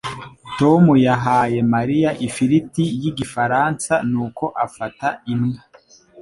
Tom yahaye Mariya ifiriti y Igifaransa nuko afata imwe.